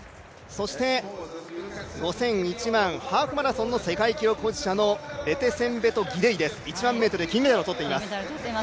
そして、５０００、１００００ハーフマラソンの世界記録保持者のレテセンベト・ギデイです１００００ｍ金メダルをとっています。